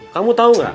kamu tau gak